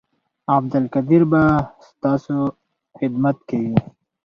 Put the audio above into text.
عبدالقدیر به ستاسو خدمت کوي